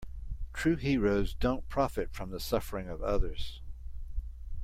True heroes don't profit from the suffering of others.